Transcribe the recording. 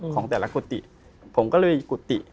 ของแต่ละกุฏิผมก็เลยกุฏิ